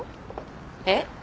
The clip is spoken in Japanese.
えっ？